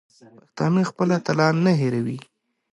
پښتانه خپل اتلان نه هېروي.